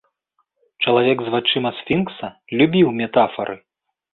Чалавек з вачыма сфінкса любіў метафары.